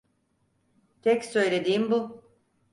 Tek söylediğim bu.